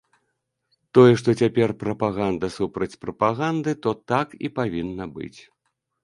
Тое, што цяпер прапаганда супраць прапаганды, то так і павінна быць.